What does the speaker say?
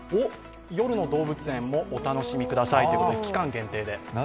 夜の動物園もお楽しみくださいということで期間限定で。